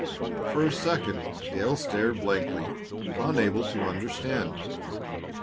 For a second Dale stared blankly, unable to understand.